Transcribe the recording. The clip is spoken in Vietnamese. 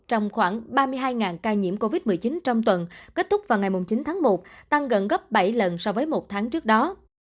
trong khoảng ba mươi hai ca nhiễm covid một mươi chín trong tuần kết thúc vào ngày chín tháng một tăng gần gấp bảy lần so với một tháng trước đó